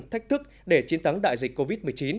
thách thức để chiến thắng đại dịch covid một mươi chín